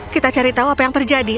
kita cari tahu apa yang terjadi